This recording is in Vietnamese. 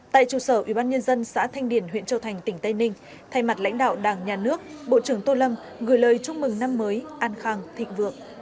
tại trụ sở ubnd xã thanh điển huyện châu thành tỉnh tây ninh thay mặt lãnh đạo đảng nhà nước bộ trưởng tô lâm gửi lời chúc mừng năm mới an khang thịnh vượng